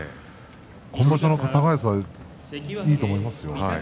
今場所の高安はいいと思いますよ。